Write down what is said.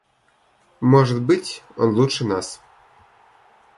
Может быть, он лучше нас.